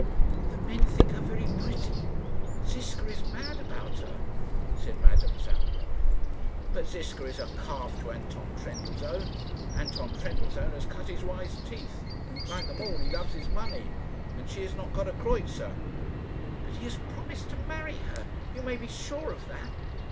"The men think her very pretty. Ziska is mad about her," said Madame Zamenoy. "But Ziska is a calf to Anton Trendellsohn. Anton Trendellsohn has cut his wise teeth. Like them all, he loves his money; and she has not got a kreutzer." "But he has promised to marry her. You may be sure of that."